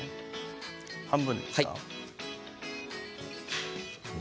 半分ですか？